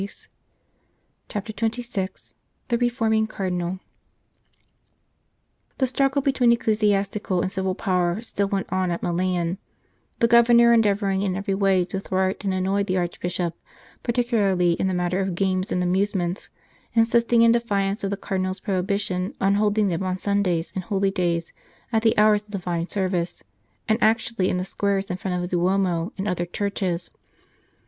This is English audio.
175 CHAPTER XXVI THE REFORMING CARDINAL THE struggle between ecclesiastical and civil power still went on at Milan, the Governor endeavouring in every way to thwart and annoy the Archbishop, particularly in the matter of games and amusements, insisting in defiance of the Cardinal s prohibition on holding them on Sundays and holidays at the hours of Divine service, and actually in the squares in front of the Duomo and other churches.